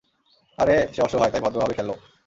আরে, সে অসহায়, তাই ভদ্রভাবে খেলো।